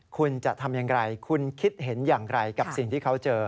คุณจะทำอย่างไรคุณคิดเห็นอย่างไรกับสิ่งที่เขาเจอ